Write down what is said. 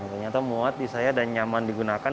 ternyata muat di saya dan nyaman digunakan